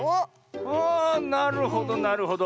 あなるほどなるほど。